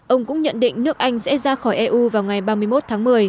ông cũng nhận định nước anh sẽ ra khỏi eu vào ngày ba mươi một tháng một mươi